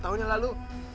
tujuh tahun yang lalu